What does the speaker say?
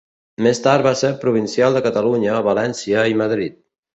Més tard va ser provincial de Catalunya, València i Madrid.